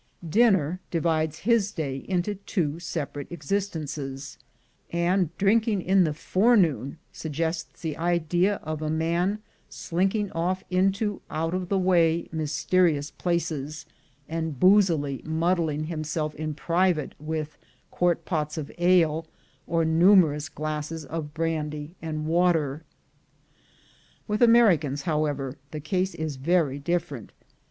Dinner divides his day into two separate exist ences, and drinking in the forenoon suggests the idea of a man slinking off into out of the way, mysterious places, and boozily muddling himself in private with quart pots of ale or numerous glasses of brandy and water. With Americans, however, the case is very different.